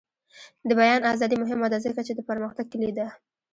د بیان ازادي مهمه ده ځکه چې د پرمختګ کلي ده.